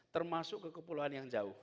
termasuk ke kepulauan yang jauh